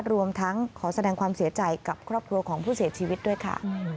รวมทั้งขอแสดงความเสียใจกับครอบครัวของผู้เสียชีวิตด้วยค่ะ